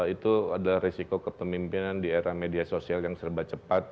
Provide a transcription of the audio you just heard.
itu adalah risiko kepemimpinan di era media sosial yang serba cepat